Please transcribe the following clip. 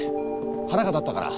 腹が立ったから？